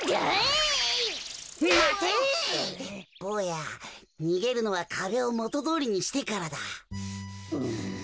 ぼうやにげるのはかべをもとどおりにしてからだ。